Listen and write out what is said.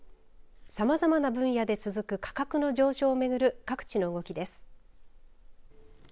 さまざまな分野で続く価格の上昇を巡る各地の動きです。